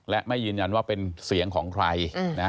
และไม่ยืนยันว่าเป็นเสียงของใคร